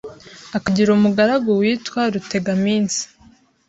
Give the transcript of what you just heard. akagira umugaragu witwa Rutegaminsi